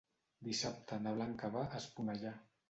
Dissabte na Blanca va a Esponellà.